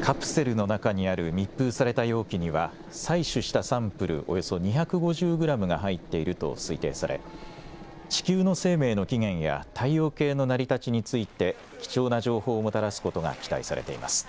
カプセルの中にある密封された容器には、採取したサンプルおよそ２５０グラムが入っていると推定され、地球の生命の起源や太陽系の成り立ちについて貴重な情報をもたらすことが期待されています。